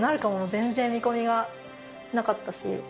全然見込みがなかったし。